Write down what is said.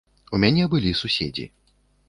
У мяне былі суседзі.